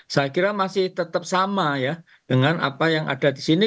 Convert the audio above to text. saya kira masih tetap sama ya dengan apa yang ada di sini